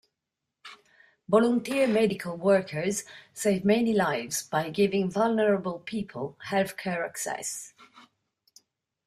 Volunteer Medical workers save many lives by giving vulnerable people health-care access